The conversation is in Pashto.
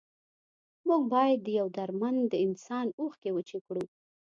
موږ باید د یو دردمند انسان اوښکې وچې کړو.